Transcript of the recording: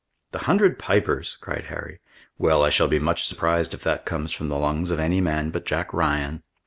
"The Hundred Pipers!" cried Harry. "Well, I shall be much surprised if that comes from the lungs of any man but Jack Ryan."